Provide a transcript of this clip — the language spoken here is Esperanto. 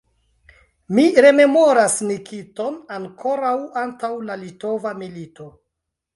Mi rememoras Nikiton ankoraŭ antaŭ la litova milito.